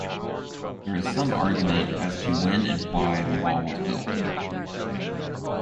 There is some argument as to when and why the wall was built.